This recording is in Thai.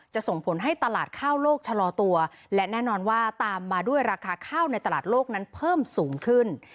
ส่งผลให้ตลาดข้าวโลกชะลอตัวและแน่นอนว่าตามมาด้วยราคาข้าวในตลาดโลกนั้นเพิ่มสูงขึ้น